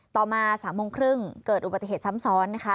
ต่อมา๓โมงครึ่งเกิดอุบัติเหตุซ้ำซ้อนนะคะ